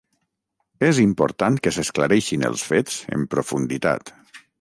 És important que s’esclareixin els fets en profunditat.